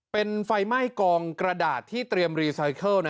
เป็นไฟไหม้กองกระดาษที่เตรียมรีไซเคิล